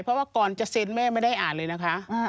เพราะว่าก่อนจะเซ็นแม่ไม่ได้อ่านเลยนะคะ